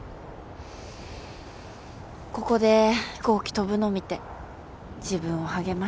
ここで飛行機飛ぶの見て自分を励ましたりして。